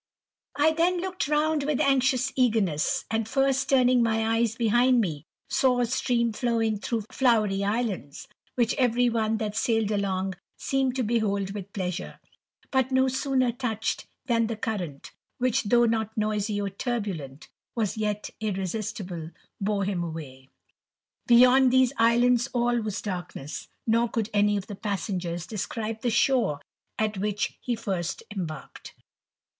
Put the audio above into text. I then looked round with anxious eagerness; and first | Itning my eyes behind me, saw a stream flowing through *owery islands, which every one that sailed along seemed to behold with pleasure; but no sooner touched, than *>e current, which, though not noisy or turbulent, was 'ct irresistible, bore him away. Beyond these islands all *U3 darkness, nor could any of the passengers describe ■*e shore at which he first embarked.